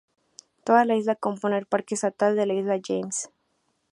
Toda la isla compone el Parque Estatal de la Isla James.